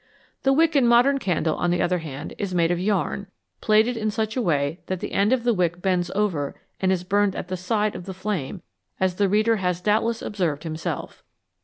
The wick in a modern candle, on the other hand, is made of yarn, plaited in such a way that the end of the wick bends over and is burned at the side of the flame, as the reader has doubtless observed himself.